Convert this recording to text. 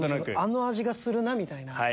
あの味がするなぁみたいな。